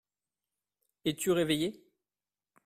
Es-tu réveillé ?